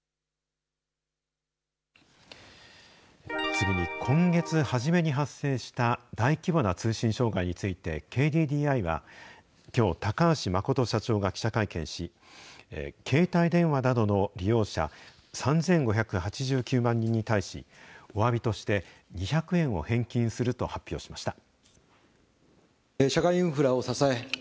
次に、今月初めに発生した大規模な通信障害についてＫＤＤＩはきょう、高橋誠社長が記者会見し、携帯電話などの利用者３５８９万人に対し、おわびとして２００円を返金すると発表しました。